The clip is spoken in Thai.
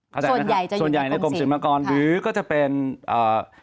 เข้าใจหนะครับโดยกรมศิลปกรณ์หรือก็จะเป็นเอ่อ